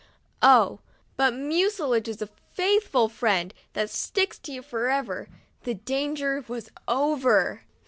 Oh! but mucilage is a faithful friend, that sticks to you forever! The danger was over.